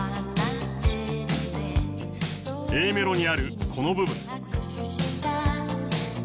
Ａメロにあるこの部分。